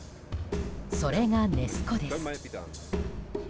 それがネス湖です。